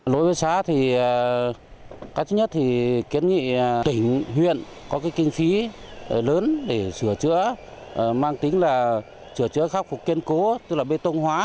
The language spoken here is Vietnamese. đối với xã thì cái thứ nhất thì kiến nghị tỉnh huyện có cái kinh phí lớn để sửa chữa mang tính là sửa chữa khắc phục kiên cố tức là bê tông hóa